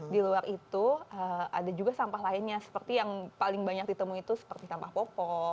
di luar itu ada juga sampah lainnya seperti yang paling banyak ditemui itu seperti sampah popok